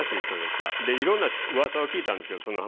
いろんなうわさを聞いたんですけどその前に。